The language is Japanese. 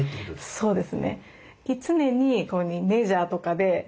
そうですね。